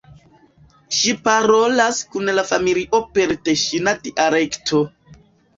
Ŝi parolas kun la familio per teŝina dialekto.